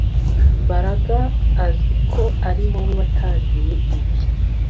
Mbaraga azi ko ari wowe watangiye ibi